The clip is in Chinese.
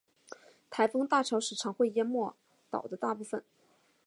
台风大潮时常会淹没岛的大部分。